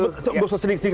tidak usah sedikit sedikit